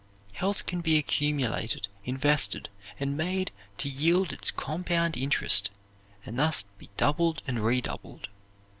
Health can be accumulated, invested, and made to yield its compound interest, and thus be doubled and redoubled.